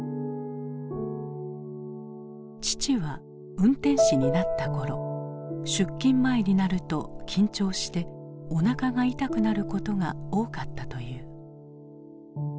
父は運転士になった頃出勤前になると緊張しておなかが痛くなることが多かったという。